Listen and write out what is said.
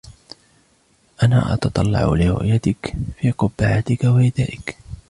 أنا أتتطلع لرؤيتك في قبعتك وردائك.